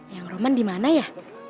yang roman dimana ya